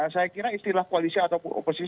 saya kira istilah koalisi ataupun oposisi